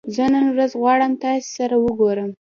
زه نن ورځ غواړم تاسې سره وګورم